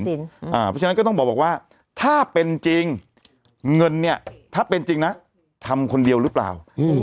เพราะฉะนั้นก็ต้องบอกว่าถ้าเป็นจริงเงินเนี่ยถ้าเป็นจริงนะทำคนเดียวหรือเปล่า